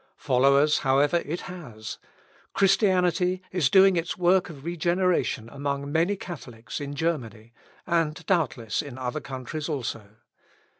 Followers, however, it has. Christianity is doing its work of regeneration among many Catholics in Germany, and, doubtless, in other countries also.